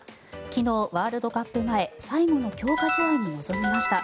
昨日、ワールドカップ前最後の強化試合に臨みました。